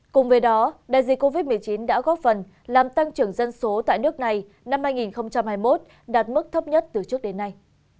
cùng với đó đại dịch covid một mươi chín đã góp phần làm tăng trưởng dân số tại nước này năm hai nghìn hai mươi một đạt mức thấp nhất từ trước đến nay